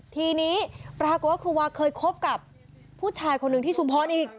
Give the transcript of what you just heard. ทีนี้พระฆวร์ครูวาเคยเข้ากับผู้ชายคนหนึ่งที่ชุมพรอภ์ดีอีก